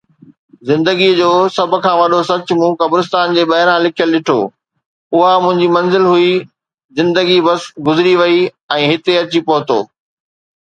زندگيءَ جو سڀ کان وڏو سچ مون قبرستان جي ٻاهران لکيل ڏٺو. اها منهنجي منزل هئي، زندگي بس گذري وئي ۽ هتي اچي پهتو